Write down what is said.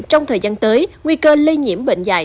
trong thời gian tới nguy cơ lây nhiễm bệnh dạy